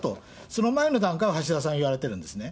その前の段階を橋田さんは言われてるんですね。